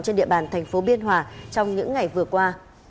trên địa bàn tp biên hòa trong những ngày vừa qua